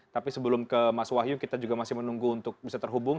tapi sebelum ke mas wahyu kita juga masih menunggu untuk bisa terhubung